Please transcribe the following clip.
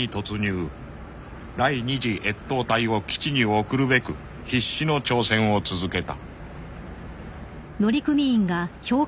［第２次越冬隊を基地に送るべく必死の挑戦を続けた］